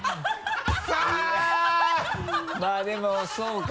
まぁでもそうか。